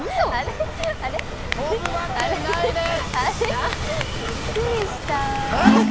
跳ぶわけないです。